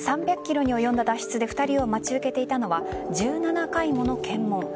３００ｋｍに及んだ脱出で２人を待ち受けていたのは１７回もの検問。